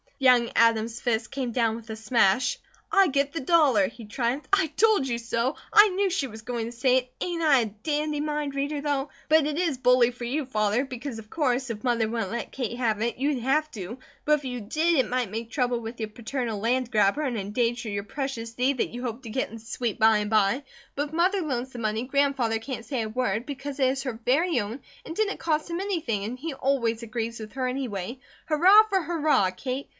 Young Adam's fist came down with a smash. "I get the dollar!" he triumphed. "I TOLD you so! I KNEW she was going to say it! Ain't I a dandy mind reader though? But it is bully for you, Father, because of course, if Mother wouldn't let Kate have it, you'd HAVE to; but if you DID it might make trouble with your paternal land grabber, and endanger your precious deed that you hope to get in the sweet by and by. But if Mother loans the money, Grandfather can't say a word, because it is her very own, and didn't cost him anything, and he always agrees with her anyway! Hurrah for hurrah, Kate!